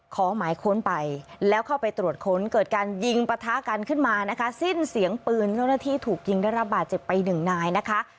ขอหมายค้นไปแล้วเข้าไปตรวจค้นเกิดการยิงปะทะกันขึ้นมานะคะสิ้นเสียงปืนเจ้าหน้าที่ถูกยิงได้รับบาดเจ็บไปหนึ่งนายนะคะ